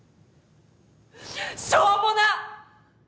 しょーもな！